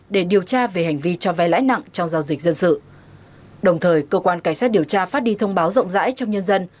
đồng thời cơ quan cảnh sát điều tra phát đi thông báo rộng rãi trong nhân dân